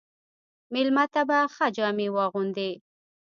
مېلمه ته به ښه جامې واغوندې.